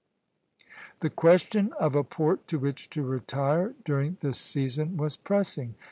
The question of a port to which to retire during this season was pressing.